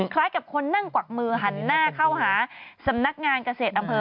คล้ายกับคนนั่งกวักมือหันหน้าเข้าหาสำนักงานเกษตรอำเภอ